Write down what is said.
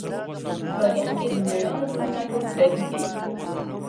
تاریخ کښې د مــړانو مـو نومــونه ټول پردي دي